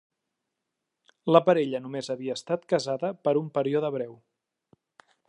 La parella només havia estat casada per un període breu.